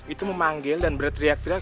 itu memanggil dan berteriak teriak